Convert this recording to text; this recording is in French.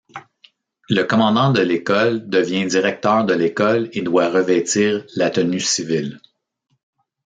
Le commandant de l'école devient directeur de l'école et doit revêtir la tenue civile.